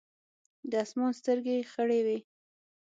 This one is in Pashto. د اسمان سترګې خړې وې ـ